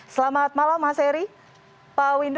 selamat malam mas heri pak windu